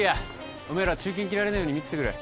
おめえら駐禁切られねえように見ててくれ。